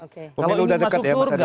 kalau ini masuk surga